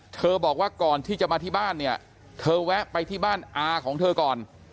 เธอแวะไปที่บ้านอาของเธอก่อน